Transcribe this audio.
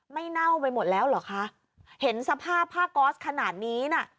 เน่าไปหมดแล้วเหรอคะเห็นสภาพผ้าก๊อสขนาดนี้น่ะ